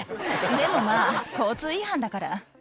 でもまあ、交通違反だから。